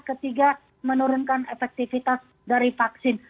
ketiga menurunkan efektivitas dari vaksin